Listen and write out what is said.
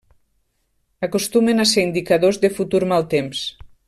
Acostumen a ser indicadors de futur mal temps.